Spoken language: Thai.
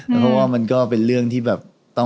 เพราะว่ามันก็เป็นเรื่องที่แบบต้อง